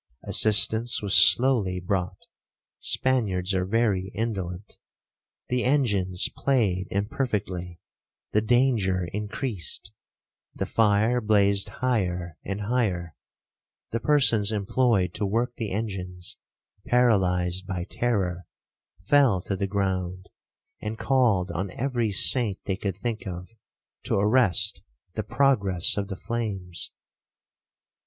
Assistance was slowly brought—Spaniards are very indolent—the engines played imperfectly—the danger increased—the fire blazed higher and higher—the persons employed to work the engines, paralyzed by terror, fell to the ground, and called on every saint they could think of, to arrest the progress of the flames.